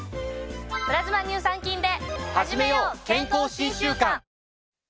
プラズマ乳酸菌で。